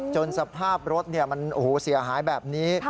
สภาพรถมันเสียหายแบบนี้